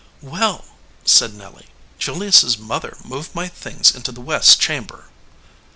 "Well," said Nelly, "Julius s mother moved my things into the west chamber."